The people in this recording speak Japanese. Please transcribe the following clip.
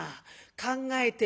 考えてみ。